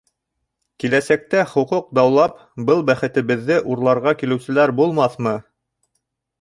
Киләсәктә хоҡуҡ даулап, был бәхетебеҙҙе урларға килеүселәр булмаҫмы?